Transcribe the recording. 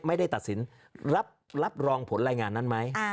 ไม่ได้ตัดสินรับรองผลรายงานนั้นไหม